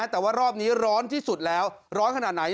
แต่ว่ารอบนี้ร้อนที่สุดแล้วร้อนขนาดไหน